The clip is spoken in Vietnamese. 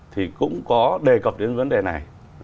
thì cũng có đề cập đến vấn đề này